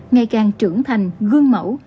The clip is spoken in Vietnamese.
ngày càng trưởng thành gương mẫu